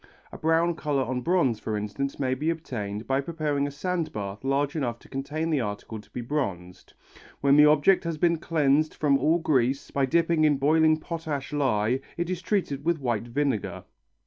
A brown colour on bronze, for instance, may be obtained by preparing a sand bath large enough to contain the article to be bronzed. When the object has been cleansed from all grease by dipping in boiling potash lye, it is treated with white vinegar.